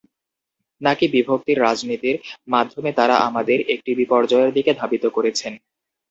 নাকি বিভক্তির রাজনীতির মাধ্যমে তাঁরা আমাদের একটি বিপর্যয়ের দিকে ধাবিত করেছেন?